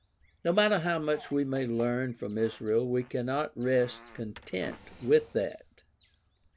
'" No matter how much we may learn from Israel, we cannot rest content with that.